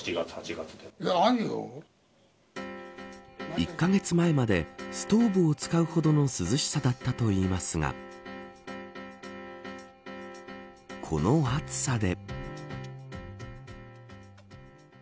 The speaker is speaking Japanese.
１カ月前までストーブを使うほどの涼しさだったといいますがこの暑さで。